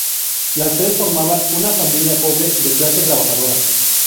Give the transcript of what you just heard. Los tres formaban una familia pobre de clase trabajadora.